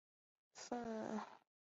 昂格莱。